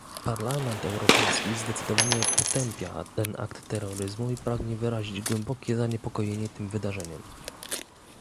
Parlament Europejski zdecydowanie potępia ten akt terroryzmu i pragnie wyrazić głębokie zaniepokojenie tym wydarzeniem